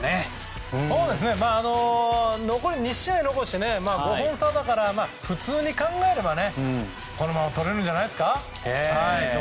残り２試合を残して５本差だから普通に考えればこのままとれると思います。